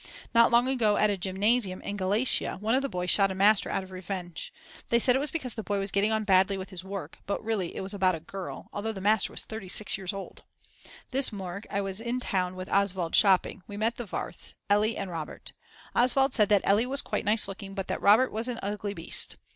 Not long ago at a Gymnasium in Galicia one of the boys shot a master out of revenge; they said it was because the boy was getting on badly with his work, but really it was about a girl, although the master was 36 years old. This morg. I was in town with Oswald shopping; we met the Warths, Elli and ... Robert. Oswald said that Elli was quite nice looking but that Robert was an ugly beast.